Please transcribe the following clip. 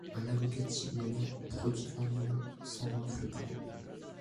Un avocatier moyen produit environ cent vingt fruits par an.